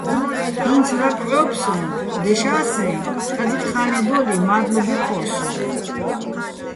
ინც ლარკ ჺოფ სო́გო̆, დეშა́ სეჼ, კაძიკ ხა́ნედო́ლიჼ მადლობ ჲეჴო́ სო́ჼ.